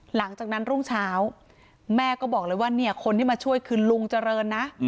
หลังจากนั้นรุ่งเช้าแม่ก็บอกเลยว่าเนี่ยคนที่มาช่วยคือลุงเจริญนะ